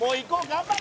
頑張れ！」